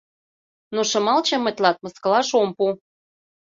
Но Шымалчым мый тылат мыскылаш ом пу.